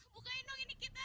bukain dong ini kita